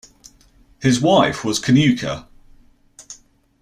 His wife was Cnucha.